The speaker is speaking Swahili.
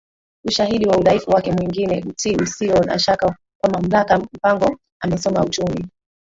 ushahidi wa udhaifu wake mwingine utii usio na shaka kwa mamlakaMpango amesoma uchumi